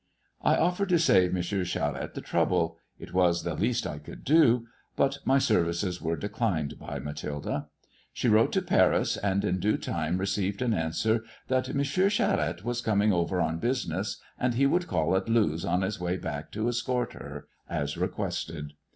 I offered to save M. Charette the tronble^it was the least I could do — but my services were declined by Matlulda 8he wrote to Paris, and in due time received an answer that M. Charette was coming over on bosiness, and he would call at Lewes on his way back to escort her, as requested.